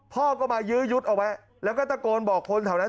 พ่อก็มายื้อยุดเอาไว้แล้วก็ตะโกนบอกคนแถวนั้น